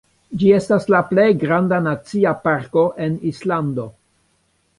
Ĝi estas la plej granda nacia parko en Islando.